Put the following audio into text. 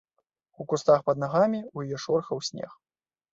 У кустах пад нагамі ў яе шорхаў снег.